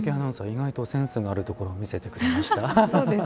意外とセンスがあるところを見せてくれました。